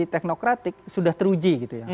teknokratik sudah teruji gitu ya